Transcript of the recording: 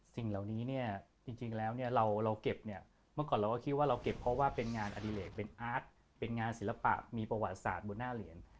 สิ่งเหล่านี้เนี่ยจริงแล้วเนี่ยเราเก็บเนี่ยเมื่อก่อนเราก็คิดว่าเราเก็บเพราะว่าเป็นงานอดิเลกเป็นอาร์ตเป็นงานศิลปะมีประวัติศาสตร์บนหน้าเหรียญ